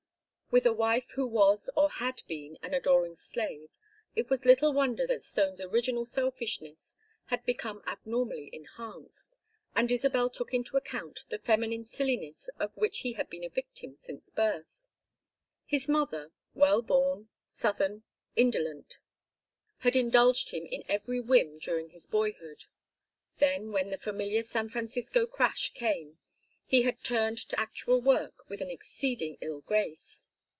With a wife who was or had been an adoring slave, it was little wonder that Stone's original selfishness had become abnormally enhanced, and Isabel took into account the feminine silliness of which he had been a victim since birth. His mother, well born, southern, indolent, had indulged him in every whim during his boyhood; then when the familiar San Francisco crash came, he had turned to actual work with an exceeding ill grace.